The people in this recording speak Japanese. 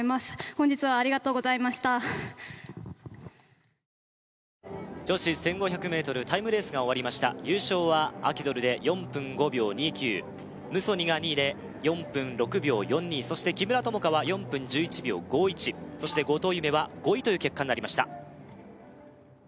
本日はありがとうございました女子１５００ｍタイムレースが終わりました優勝はアキドルで４分５秒２９ムソニが２位で４分６秒４２そして木村友香は４分１１秒５１そして後藤夢は５位という結果になりました